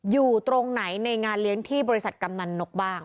อยู่ตรงไหนในงานเลี้ยงที่บริษัทกำนันนกบ้าง